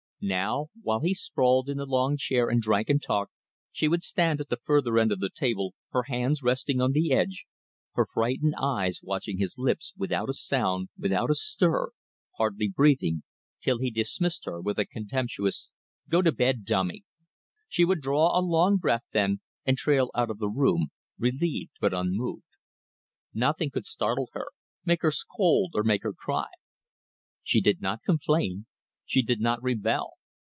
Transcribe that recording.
Now, while he sprawled in the long chair and drank and talked, she would stand at the further end of the table, her hands resting on the edge, her frightened eyes watching his lips, without a sound, without a stir, hardly breathing, till he dismissed her with a contemptuous: "Go to bed, dummy." She would draw a long breath then and trail out of the room, relieved but unmoved. Nothing could startle her, make her scold or make her cry. She did not complain, she did not rebel.